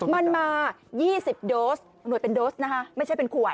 มันมา๒๐โดสหน่วยเป็นโดสนะคะไม่ใช่เป็นขวด